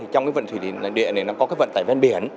trong cái vận tải nội địa này nó có cái vận tải bên biển